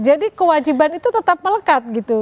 jadi kewajiban itu tetap melekat gitu